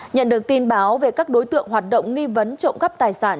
nhận được tin báo về các đối tượng hoạt động nghi vấn trộm cắp tài sản